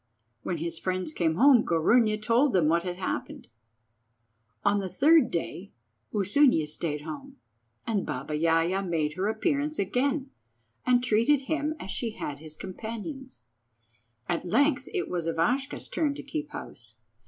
When his friends came home Gorunia told them what had happened. On the third day Usunia stayed at home, and Baba Yaja made her appearance again, and treated him as she had his companions. At length it was Ivashka's turn to keep house.